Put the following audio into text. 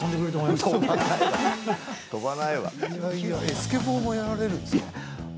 スケボーもやられるんですか。